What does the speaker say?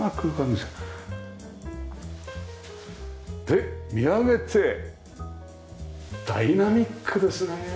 で見上げてダイナミックですね。